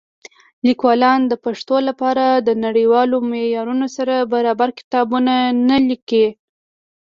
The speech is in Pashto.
لیکوالان د پښتو لپاره د نړیوالو معیارونو سره برابر کتابونه نه لیکي.